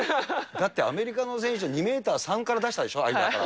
だってアメリカの選手は２メーター３から出したでしょ、間から。